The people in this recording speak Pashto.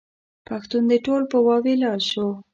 پښتون دې ټول په واویلا شو.